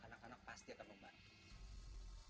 anak anak pasti akan membantu